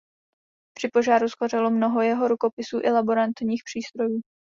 Při požáru shořelo mnoho jeho rukopisů i laboratorních přístrojů.